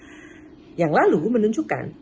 orang tua yang menunjukkan